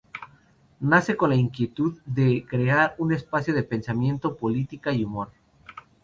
Nace con la inquietud de crear un espacio de pensamiento, política y humor.